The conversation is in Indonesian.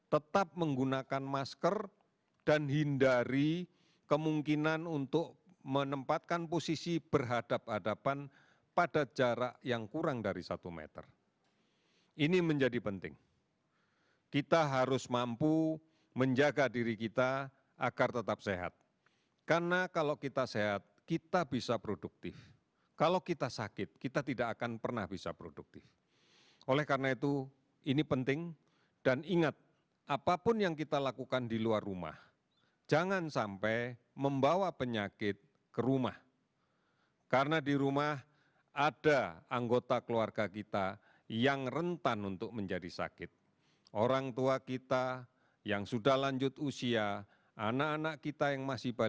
tetap menggunakan masker dan hindari kemungkinan untuk menempatkan posisi berhadapan hadapan pada jarak yang terlalu jauh